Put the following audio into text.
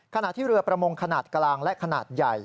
ขณะที่เรือประมงขนาดกลางและขนาดใหญ่